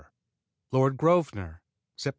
Lord Grosvenor Sept.